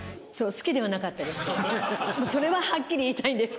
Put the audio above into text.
好きではなかったです。